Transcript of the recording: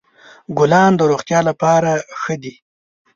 ګلان د روغتیا لپاره ښه دي.